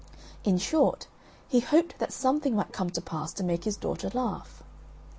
In short, he hoped that something might come to pass to make his daughter laugh.